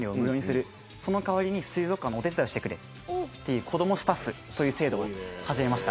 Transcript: その代わりに水族館のお手伝いをしてくれっていう子どもスタッフという制度を始めました。